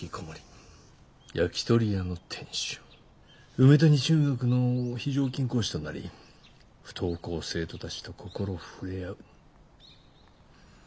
梅谷中学の非常勤講師となり不登校生徒たちと心触れ合う。